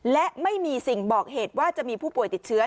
และไม่มีสิ่งบอกเหตุว่าจะมีผู้ป่วยติดเชื้อ